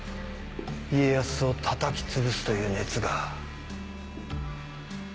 家康を叩きつぶすという熱が。